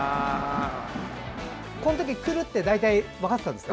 この時来るって大体分かってたんですか？